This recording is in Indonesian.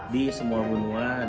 di semua gunungan